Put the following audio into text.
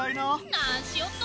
何しよっと？